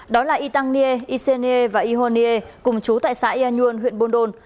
đó là ytang nghie yse nghie và yho nghie cùng chú tại xã yen nhuân huyện buôn đôn